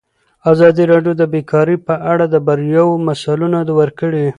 ازادي راډیو د بیکاري په اړه د بریاوو مثالونه ورکړي.